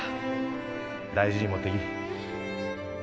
大事に持っていき。